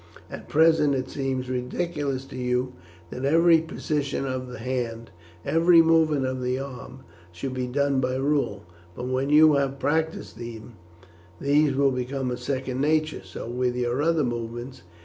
At present it seems ridiculous to you that every position of the hand, every movement of the arm, should be done by rule; but when you have practised them these will become a second nature; so with your other movements.